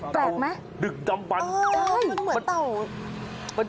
แปลกไหมเตาดึกดำบันเออใช่มันเหมือนเตา